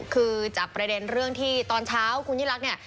คือจากประเด็นเรื่องที่ตอนเช้าคุณยิ่งรักเนี่ย